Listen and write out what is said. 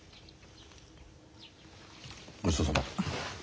ごちそうさま。